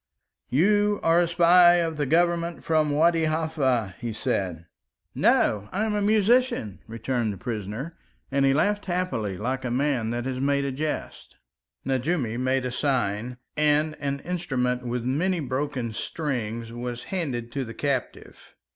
"You are a spy of the Government from Wadi Halfa," he said. "No, I am a musician," returned the prisoner, and he laughed happily, like a man that has made a jest. Nejoumi made a sign, and an instrument with many broken strings was handed to the captive.